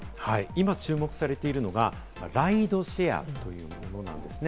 今、注目されているのがライドシェアというものなんですね。